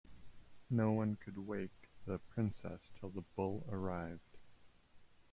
No one could wake the princess till the bull arrived.